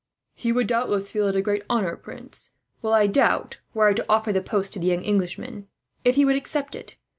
"He would doubtless feel it a great honour, prince; while I doubt, were I to offer the post to the young Englishman, if he would accept it.